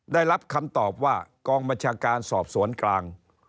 ได้รับคำตอบว่ากองบัญชาการสอบสวนกลาง